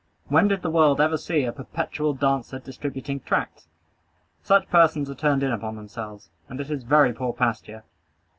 When did the world ever see a perpetual dancer distributing tracts? Such persons are turned in upon themselves. And it is very poor pasture!